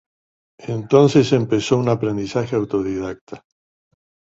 Entonces empezó un aprendizaje autodidacta.